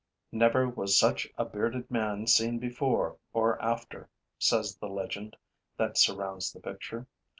'Never was such a bearded man seen before or after,' says the legend that surrounds the picture.